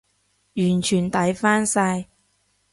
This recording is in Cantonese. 完全抵返晒